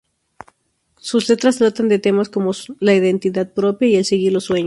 Sus letras tratan temas como la identidad propia y el seguir los sueños.